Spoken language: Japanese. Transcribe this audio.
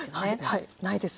はいないです